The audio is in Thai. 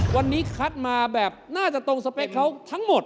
วันนี้คัดมาแบบน่าจะตรงสเปคเขาทั้งหมด